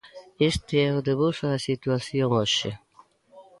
Este é o debuxo da situación hoxe.